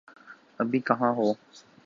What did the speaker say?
ابھی کہاں ہو؟